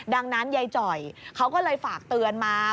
ดังนั้นยายจ่อยเขาก็เลยฝากเตือนมา